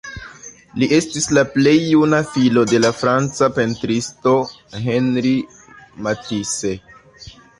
Li estis la plej juna filo de la franca pentristo Henri Matisse.